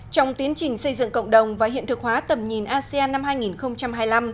trong tiến trình xây dựng cộng đồng và hiện thực hóa tầm nhìn asean năm hai nghìn hai mươi năm